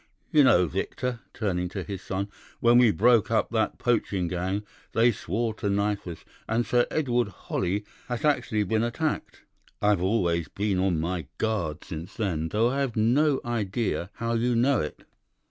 'You know, Victor,' turning to his son, 'when we broke up that poaching gang, they swore to knife us, and Sir Edward Holly has actually been attacked. I've always been on my guard since then, though I have no idea how you know it.